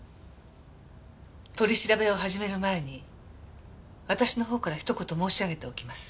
取り調べを始める前に私の方から一言申し上げておきます。